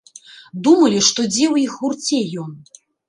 Думалі, што дзе ў іх гурце ён.